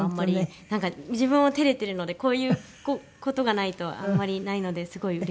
なんか自分も照れてるのでこういう事がないとあんまりないのですごいうれしかったです。